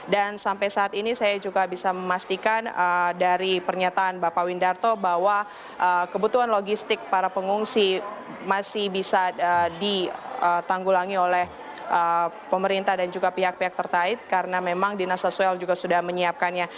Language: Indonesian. dan sampai saat ini bpbd bersama dengan relawan dan juga pemerintah bekerjasama untuk terus memanfaatkan